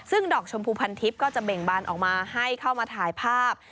ซึ่งดอกชมพูพันทิพย์ก็จะเบ่งบานออกมาให้เข้ามาถ่ายภาพ